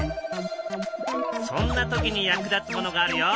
そんな時に役立つものがあるよ。